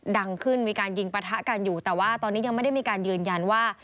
ดังขึ้นมีการยิงปะทะกันอยู่แต่ว่าตอนนี้ยังไม่ได้มีการยืนยันว่า